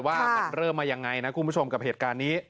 ว่ามันเริ่มมายังไงนะคุณผู้ชมกับเหตุการณ์นี้